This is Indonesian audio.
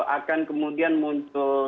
akan kemudian muncul